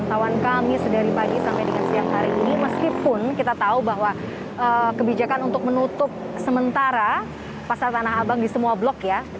pantauan kami sedari pagi sampai dengan siang hari ini meskipun kita tahu bahwa kebijakan untuk menutup sementara pasar tanah abang di semua blok ya